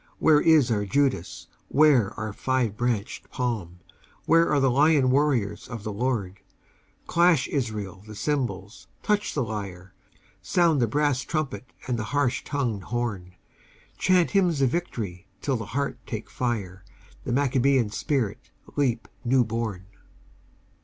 Where is our Judas? Where our five branched palm? Where are the lion warriors of the Lord? Clash, Israel, the cymbals, touch the lyre, Sound the brass trumpet and the harsh tongued horn, Chant hymns of victory till the heart take fire, The Maccabean spirit leap new born!